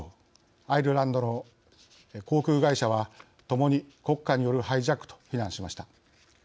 アイルランドの航空会社はともに国家によるハイジャックと非難しました。